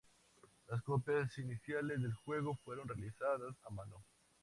Las copias iniciales del juego fueron realizadas a mano.